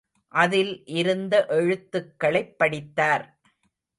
அதில் இருந்த எழுத்துகளைப் படித்தார்.